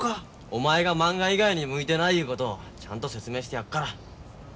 お前がまんが以外に向いてないいうことをちゃんと説明してやっから。